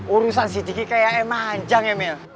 urusan si diki kayaknya manjang ya mil